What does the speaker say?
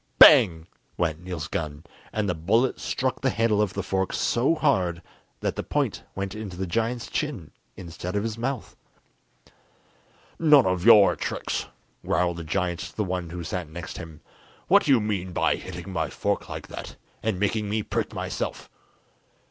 Bang! went Niels' gun, and the bullet struck the handle of the fork so hard that the point went into the giant's chin, instead of his mouth. "None of your tricks," growled the giant to the one who sat next him. "What do you mean by hitting my fork like that, and making me prick myself?"